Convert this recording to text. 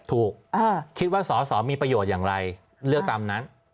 ถูกคิดว่าสอสอมีประโยชน์อย่างไรเลือกตามนั้น